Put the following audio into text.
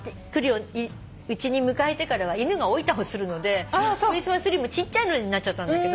うちに迎えてからは犬がおいたをするのでクリスマスツリーもちっちゃいのになっちゃったんだけど。